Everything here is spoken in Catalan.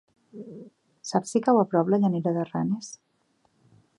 Saps si cau a prop de Llanera de Ranes?